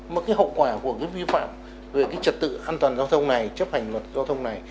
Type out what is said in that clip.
mà cái hậu quả của cái vi phạm về cái trật tự an toàn giao thông này chấp hành luật giao thông này